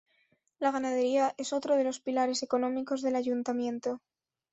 La ganadería es otro de los pilares económicos del Ayuntamiento.